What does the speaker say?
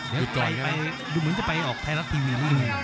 หยุดก่อนดูเหมือนจะไปออกแพลติมี